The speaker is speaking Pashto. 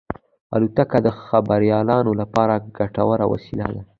الوتکه د خبریالانو لپاره ګټوره وسیله ده.